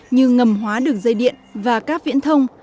như ngầm hóa đường dây điện và các viễn thông